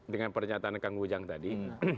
dengan pernyataan kang ujang tadi